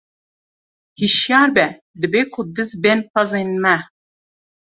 Hişyar be dibe ku diz bên pezên me!